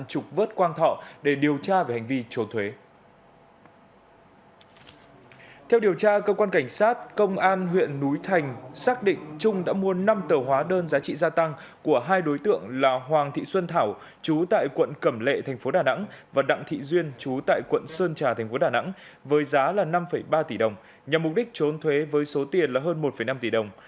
cơ quan cảnh sát công an huyện núi thành xác định trung đã mua năm tờ hóa đơn giá trị gia tăng của hai đối tượng là hoàng thị xuân thảo chú tại quận cẩm lệ tp đà nẵng và đặng thị duyên chú tại quận sơn trà tp đà nẵng với giá năm ba tỷ đồng nhằm mục đích trốn thuế với số tiền hơn một năm tỷ đồng